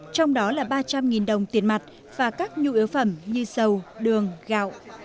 trong đó là ba trăm linh đồng tiền mặt và các nhu yếu phẩm như dầu đường gạo